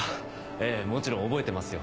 ええもちろん覚えてますよ。